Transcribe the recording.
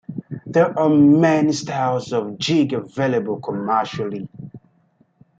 There are many styles of jig available commercially.